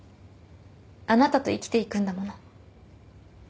あなたと生きていくんだもの。